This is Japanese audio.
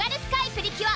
プリキュア